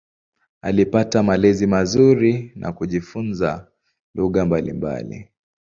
Alipata malezi mazuri na kujifunza lugha mbalimbali.